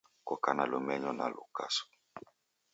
Koka na lumenyo na lukaso